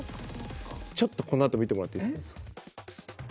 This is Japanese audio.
ちょっとこのあと見てもらっていいですか？